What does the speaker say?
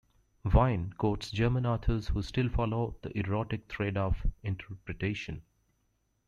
Vine quotes German authors who still follow the erotic thread of interpretation.